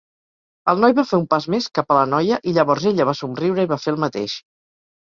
El noi va fer un pas més cap a la noia i llavors ella va somriure i va fer el mateix.